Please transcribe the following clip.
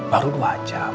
baru dua jam